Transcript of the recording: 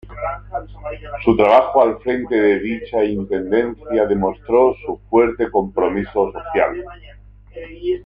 Su trabajo al frente de dicha Intendencia demostró su fuerte compromiso social.